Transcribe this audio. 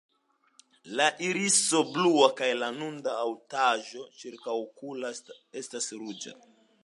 La iriso blua kaj la nuda haŭtaĵo ĉirkaŭokula estas ruĝa.